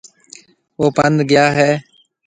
او پنڌ گيا هيَ۔